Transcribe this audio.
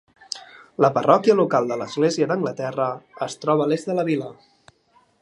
La parròquia local de l'Església d'Anglaterra es troba a l'est de la vil·la.